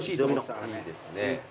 いいですね。